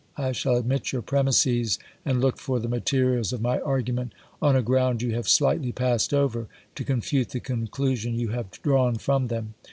I shall admit your premises, and look tor the materials of my argument on a ground you have slight ly passed over, to confute the conclusion you have drawn from them.